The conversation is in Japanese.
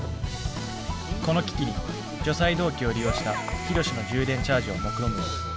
この危機に除細動器を利用したヒロシの充電チャージをもくろむも。